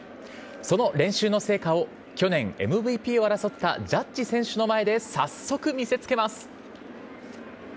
その練習の成果を去年、ＭＶＰを争ったジャッジ選手の前で早速、見せつけます。